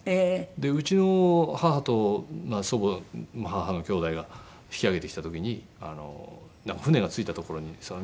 でうちの母と祖母母のきょうだいが引き揚げてきた時に船が着いた所に皆さん